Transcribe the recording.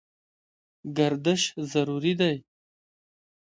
ګردش ضروري دی.